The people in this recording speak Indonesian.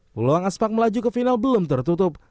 peluang aspak melaju ke final belum tertutup